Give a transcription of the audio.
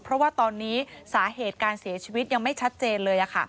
เพราะว่าตอนนี้สาเหตุการเสียชีวิตยังไม่ชัดเจนเลย